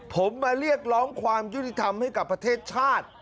ผมมาเรียกร้องความยุติธรรมให้กับประเทศชาติ